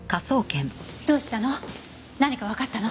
どうしたの？